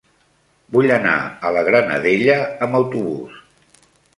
Vull anar a la Granadella amb autobús.